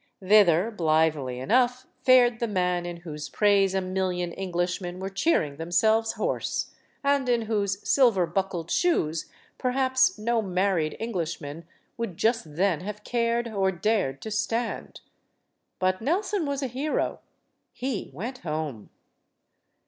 Thither, blithely enough, fared the man in whose praise a million Englishmen were cheering them selves hoarse and in whose silver buckled shoes per haps no married Englishman would just then have cared or dared to stand. But Nelson was a hero. He went home.